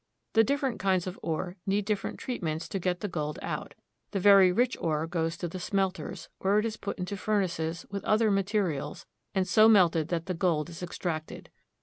The different kinds of ore need different treatments to get the gold out. The very rich ore goes to the smelters, where it is put into furnaces, with other materials, and so melted that the gold is extracted.